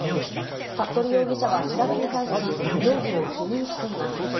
服部容疑者は調べに対し容疑を否認しています。